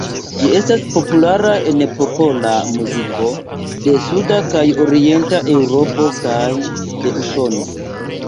Ĝi estas populara en popola muziko de suda kaj orienta Eŭropo kaj de Usono.